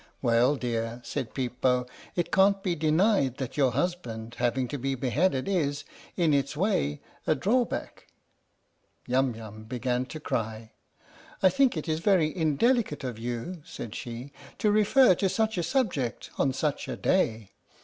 "Well, dear," said Peep Bo, "it can't be denied that your husband having to be beheaded is, in its way, a drawback." Yum Yum began to cry. 78 THE STORY OF THE MIKADO " I think it is very indelicate of you," said she, " to refer to such a subject on such a day.